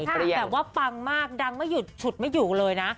แบบว่าปังมากดังไม่หยุดฉุดไม่อยู่เลยนะ